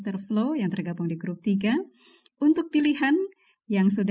beri tanggapan h otherwise i m not sure